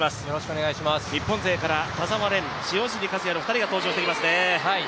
日本勢から田澤廉、塩尻和也の２人が登場してきますね。